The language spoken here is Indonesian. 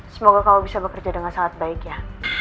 semoga kamu bisa bekerja dengan sangat baik ya